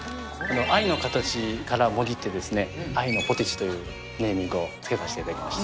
アイノカタチからもじってアイノポテチというネーミングを付けさせていただきました。